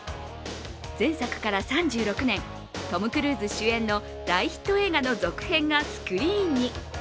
前作から３６年、トム・クルーズ主演の大ヒット映画の続編がスクリーンに。